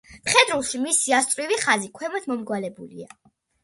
მხედრულში მისი ასწვრივი ხაზი ქვემოთ მომრგვალებულია.